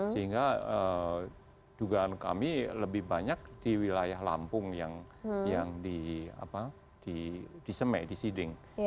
sehingga dugaan kami lebih banyak di wilayah lampung yang disemai disiding